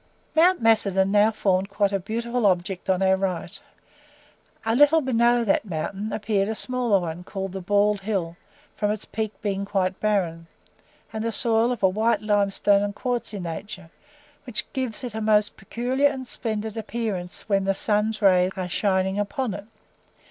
Mount Macedon now formed quite a beautiful object on our right: a little below that mountain appeared a smaller one, called the Bald Hill, from its peak being quite barren, and the soil of a white limestone and quartzy nature, which gives it a most peculiar and splendid appearance when the sun's rays are shining upon it.